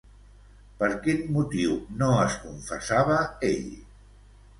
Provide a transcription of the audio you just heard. Per quin motiu no es confessava ell?